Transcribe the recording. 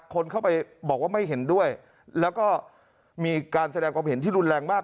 คนเข้าไปบอกว่าไม่เห็นด้วยแล้วก็มีการแสดงความเห็นที่รุนแรงมาก